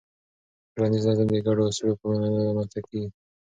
ټولنیز نظم د ګډو اصولو په منلو رامنځته کېږي.